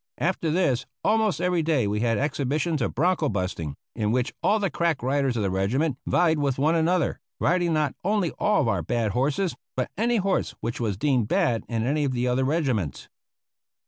After this almost every day we had exhibitions of bronco busting, in which all the crack riders of the regiment vied with one another, riding not only all of our own bad horses but any horse which was deemed bad in any of the other regiments.